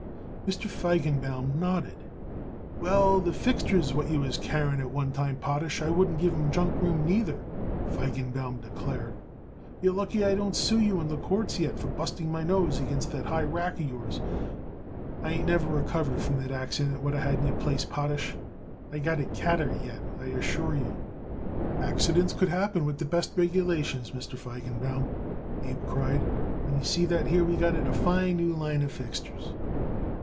Mr. Feigenbaum nodded. "Well, the fixtures what you was carrying at one time, Potash, I wouldn't give 'em junk room neither," Feigenbaum declared. "You're lucky I didn't sue you in the courts yet for busting my nose against that high rack of yours. I ain't never recovered from that accident what I had in your place, Potash. I got it catarrh yet, I assure you." "Accidents could happen with the best regulations, Mr. Feigenbaum," Abe cried, "and you see that here we got it a fine new line of fixtures."